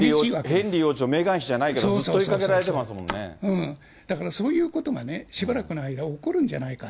ヘンリー王子とメーガン妃じゃないですけれども、ずっと追いだからそういうことがね、しばらくの間、起こるんじゃないか。